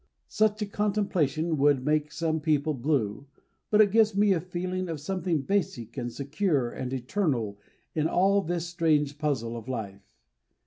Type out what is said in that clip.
Such a contemplation would make some people blue but it gives me a feeling of something basic and secure and eternal in all this strange puzzle of life.